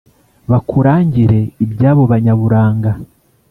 Bakurangire iby'abo banyaburanga.